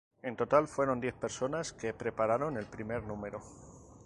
En total fueron diez las personas que prepararon el primer número.